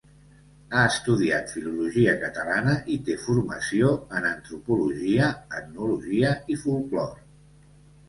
Ha estudiat filologia catalana i té formació en antropologia, etnologia i folklore.